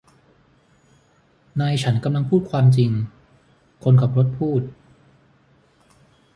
นายฉันกำลังพูดความจริงคนขับรถพูด